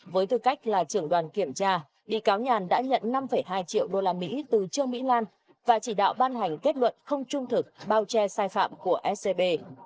với tư cách là trưởng đoàn kiểm tra bị cáo nhàn đã nhận năm hai triệu usd từ trương mỹ lan và chỉ đạo ban hành kết luận không trung thực bao che sai phạm của scb